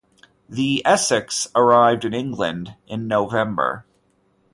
The "Essex" arrived in England in November.